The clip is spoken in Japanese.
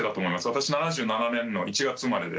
私７７年の１月生まれで。